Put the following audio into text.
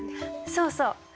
そうそう。